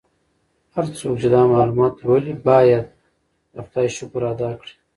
هر څوک چې دا معلومات لولي باید د خدای شکر ادا کړي.